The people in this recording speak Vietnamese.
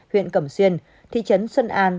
huyện cẩm xuyên thị trấn xuân an